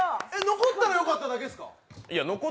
残ったらよかっただけですか？